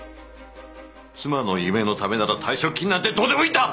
妻の夢のためなら退職金なんてどうでもいいんだ！